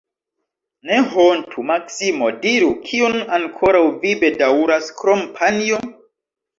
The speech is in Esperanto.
Ne hontu, Maksimo, diru, kiun ankoraŭ vi bedaŭras, krom panjo?